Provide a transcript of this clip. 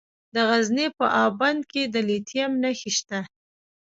د غزني په اب بند کې د لیتیم نښې شته.